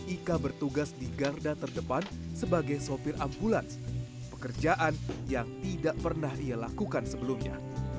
ika bertugas di garda terdepan sebagai sopir ambulans pekerjaan yang tidak pernah ia lakukan sebelumnya